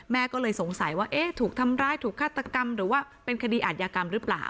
แม่ก็เลยสงสัยว่าเอ๊ะถูกทำร้ายถูกฆาตกรรมหรือว่าเป็นคดีอาจยากรรมหรือเปล่า